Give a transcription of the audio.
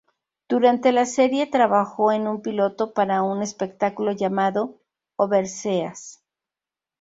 Durante la serie trabajó en un piloto para un espectáculo llamado "Overseas".